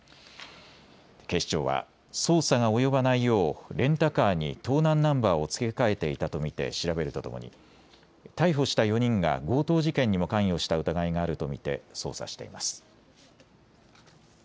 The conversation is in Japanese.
警視庁は捜査が及ばないようレンタカーに盗難ナンバーを付け替えていたと見て調べるとともに逮捕した４人が強盗事件にも関与した疑いがあると見て捜査しています。